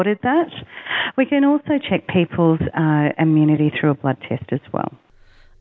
kita juga bisa memeriksa imunitas orang dengan ujian darah